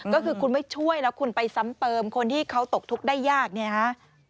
ก็คือคุณไม่ช่วยแล้วคุณไปซ้ำเติมคนที่เขาตกทุกข์ได้ยากเนี่ยฮะ